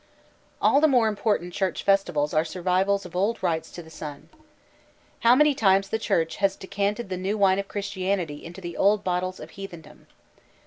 All the more important church festivals are survivals of old rites to the sun. "How many times the Church has decanted the new wine of Christianity into the old bottles of heathendom."